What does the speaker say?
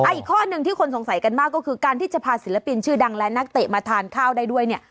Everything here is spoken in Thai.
อีกข้อหนึ่งที่คนสงสัยกันมากก็คือการที่จะพาศิลปินชื่อดังและนักเตะมาทานข้าวได้ด้วยเนี่ย